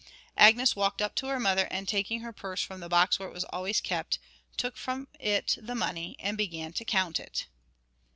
Agnes walked up to her mother, and taking her purse from the box where it was always kept, took from it the money, and began to count it.